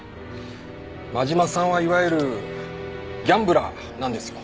真島さんはいわゆるギャンブラーなんですよ。